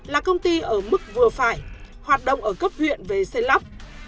hai nghìn bốn là công ty ở mức vừa phải hoạt động ở cấp huyện về xây lắp